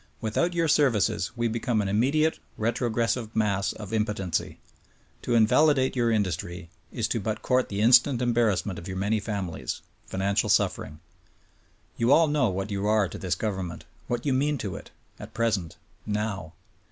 Without your services we become an immediate retrogressive mass of impotency. To invalidate your industry is to but court the instant embarrassment of your many families; financial suffering. You all know what you are to this government — what you mean to it, at present — now.